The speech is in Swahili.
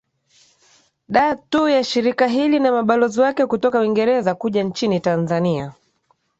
da tu ya shirika hili na mabalozi wake kutoka uingereza kuja nchini tanzania